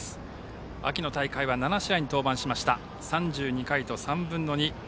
秋の大会は７試合に登板して３２回と３分の２。